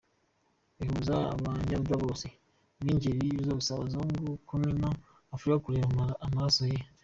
Bihuza abanyarda Bose bingeri zose abazungu Kumu nya Africa bareba amaraso ye.